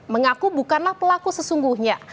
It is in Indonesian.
mengaku bukanlah pelaku sesungguhnya